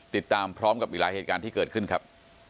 ติดตามพร้อมกับอีกหลายเหตุการณ์ที่เกิดขึ้นครับ